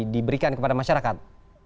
diberikan kepada masyarakat